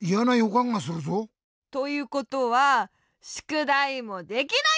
かんがするぞ。ということはしゅくだいもできない！